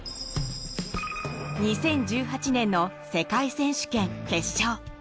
２０１８年の世界選手権決勝。